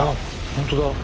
本当だ！